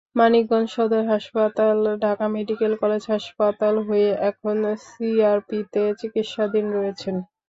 মানিকগঞ্জ সদর হাসপাতাল, Dhaka medical college হাসপাতাল হয়ে এখন সিআরপিতে চিকিৎসাধীন রয়েছেন।